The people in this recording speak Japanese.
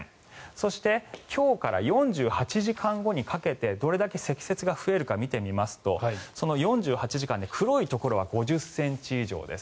そして今日から４８時間後にかけてどれだけ積雪が増えるか見てみますと４８時間で、黒いところは５０ｃｍ以上です。